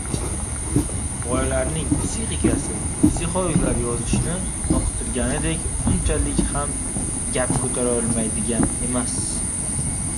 Bolalarning psixikasi psixologlar yozishni yoqtirganidek unchalik ham gap ko‘tarolmaydigan emas.